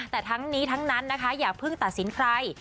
แต่ทั้งนี้ทั้งนั้นนะคะอย่าเพิ่งตัดสินใคร